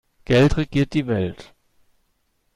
Geld regiert die Welt.